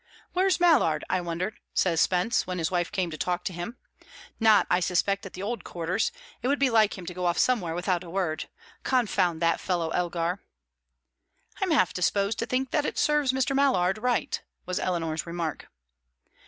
"Where's Mallard, I wonder?" said Spence, when his wife came to talk to him. "Not, I suspect, at the old quarters, It would be like him to go off somewhere without a word. Confound that fellow Elgar!" "I'm half disposed to think that it serves Mr. Mallard right," was Eleanor's remark.